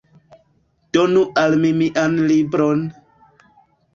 Donu al mi mian libron!